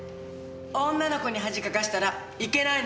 女の子に恥かかしたらいけないんだぞ。